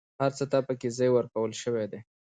هر څه ته پکې ځای ورکول شوی دی.